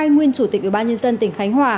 hai nguyên chủ tịch ubnd tỉnh khánh hòa